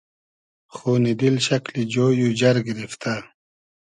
خونی دیل شئکلی جۉی و جئر گیریفتۂ